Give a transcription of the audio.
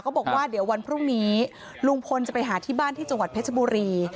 บอกว่าเดี๋ยววันพรุ่งนี้ลุงพลจะไปหาที่บ้านที่จังหวัดเพชรบุรี